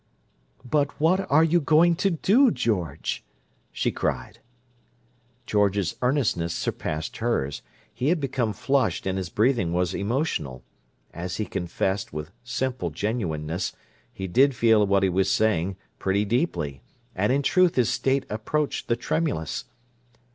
"But what are you going to do, George?" she cried. George's earnestness surpassed hers; he had become flushed and his breathing was emotional. As he confessed, with simple genuineness, he did feel what he was saying "pretty deeply"; and in truth his state approached the tremulous.